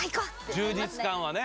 充実感はね。